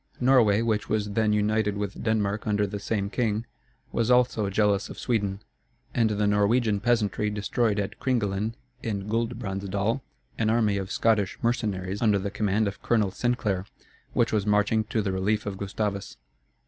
Norway, which was then united with Denmark under the same king, was also jealous of Sweden; and the Norwegian peasantry destroyed at Kringelen, in Guldbrandsdal, an army of Scottish mercenaries, under the command of Colonel Sinclair, which was marching to the relief of Gustavus.